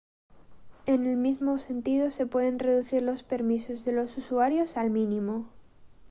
En el mismo sentido se pueden reducir los permisos de los usuarios al mínimo.